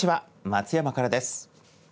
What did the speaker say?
松山からです。